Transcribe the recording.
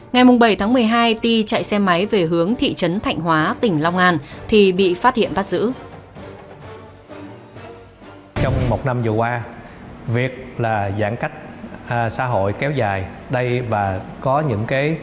ngày bảy tháng một mươi hai ti chạy xe máy về hướng thị trấn thạnh hóa tỉnh long an thì bị phát hiện bắt giữ